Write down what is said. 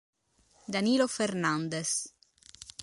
Danilo Fernandes